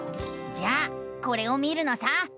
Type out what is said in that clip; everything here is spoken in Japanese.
じゃあこれを見るのさ！